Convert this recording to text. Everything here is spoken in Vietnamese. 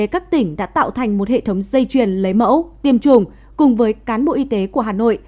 các tỉnh đã tạo thành một hệ thống dây chuyền lấy mẫu tiêm chủng cùng với cán bộ y tế của hà nội